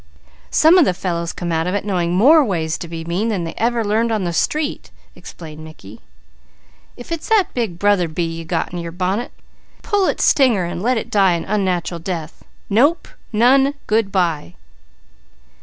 Some of the fellows come out of it knowing more ways to be mean than they ever learned on the street," explained Mickey. "If it's that Big Brother bee you got in your bonnet, pull its stinger and let it die an unnatural death! Nope! None! Good bye!"